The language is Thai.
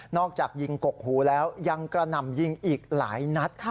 อกจากยิงกกหูแล้วยังกระหน่ำยิงอีกหลายนัด